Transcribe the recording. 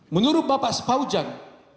menurut bapak sepaujang